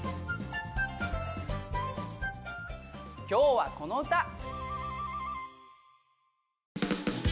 今日はこの歌。